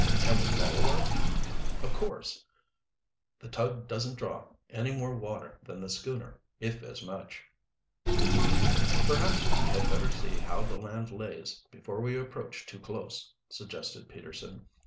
"Can we follow her?" "Of coarse. The tug doesn't draw any more water than the schooner, if as much." "Perhaps we had better see how the land lays before we approach too close," suggested Peterson.